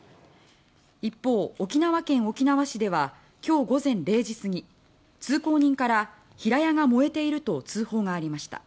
一方、沖縄県沖縄市では今日午前０時過ぎ通行人から平屋が燃えていると通報がありました。